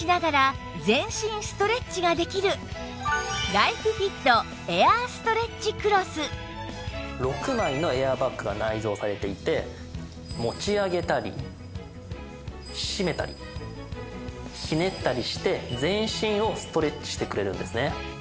今日ご紹介するのは６枚のエアーバッグが内蔵されていて持ち上げたりしめたりひねったりして全身をストレッチしてくれるんですね。